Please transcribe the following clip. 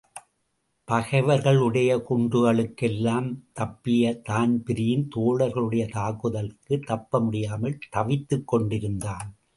பகைவர்களுடைய குண்டுகளுக்கெல்லாம் தப்பிய தான்பிரீன் தோழர்களுடைய தாக்குதலுக்குத் தப்பமுடியாமல் தவித்துக் கொண்டிருந்தான்!